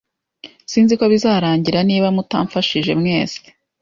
Sinziko bizarangira niba mutamfashije mwese.